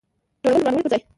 جوړول د ورانولو پر ځای.